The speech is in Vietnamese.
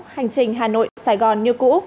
hành trình hà nội sài gòn như cũ